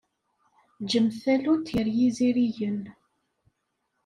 Ǧǧemt tallunt gar yizirigen.